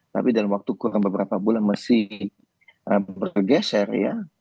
tapi dalam waktu kurang beberapa bulan masih bergeser ya